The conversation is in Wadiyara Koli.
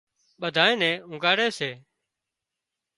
ٻڌانئين نين اونگھاڙي سي